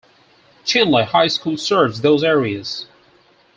Chinle High School serves those areas.